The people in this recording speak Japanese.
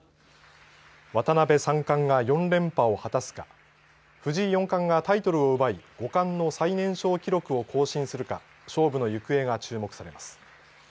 渡辺三冠が４連覇を果たすか藤井四冠がタイトルを奪い五冠の最年少記録を更新するか勝負の行方が注目されます。